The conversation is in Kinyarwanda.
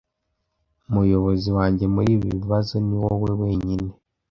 Umuyobozi wanjye muri ibi bibazo niwowe wenyine ,